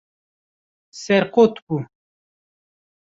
Serqot bû.